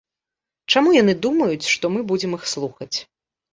Чаму яны думаюць, што мы будзем іх слухаць?